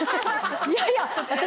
いやいや私。